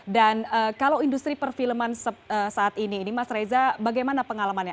dan kalau industri perfilman saat ini mas reza bagaimana pengalamannya